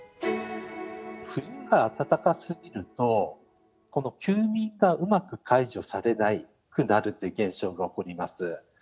冬が暖かすぎると、この休眠がうまく解除されなくなるという現象が起こります。